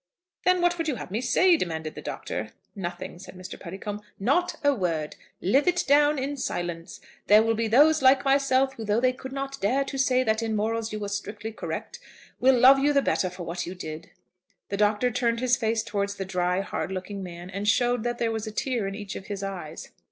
"Then what would you have me say?" demanded the Doctor. "Nothing," said Mr. Puddicombe; "not a word. Live it down in silence. There will be those, like myself, who, though they could not dare to say that in morals you were strictly correct, will love you the better for what you did." The Doctor turned his face towards the dry, hard looking man and showed that there was a tear in each of his eyes.